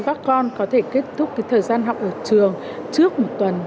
các con có thể kết thúc cái thời gian học ở trường trước một tuần